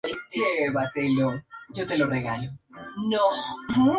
La película fue protagonizada por el fallecido John Ritter y Michael Oliver.